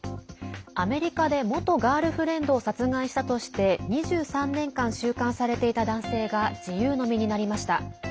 アメリカで元ガールフレンドを殺害したとして２３年間収監されていた男性が自由の身になりました。